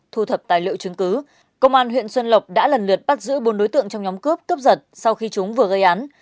thu thập tài liệu chứng cứ công an huyện xuân lộc đã lần lượt bắt giữ bốn đối tượng trong nhóm cướp cướp giật sau khi chúng vừa gây án